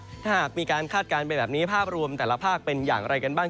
ถ้าหากมีการคาดการณ์ไปแบบนี้ภาพรวมแต่ละภาคเป็นอย่างไรกันบ้าง